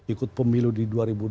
ikut pemilu di